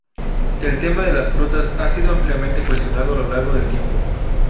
El tema de las frutas ha sido ampliamente cuestionado a lo largo del tiempo.